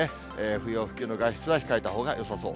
不要不急の外出は控えたほうがよさそう。